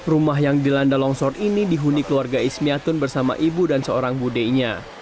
rumah yang dilanda longsor ini dihuni keluarga ismiatun bersama ibu dan seorang budenya